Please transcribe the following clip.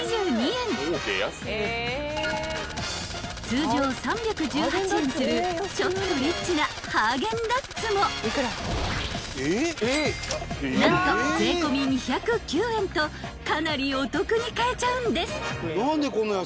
［通常３１８円するちょっとリッチなハーゲンダッツも何と税込み２０９円とかなりお得に買えちゃうんです］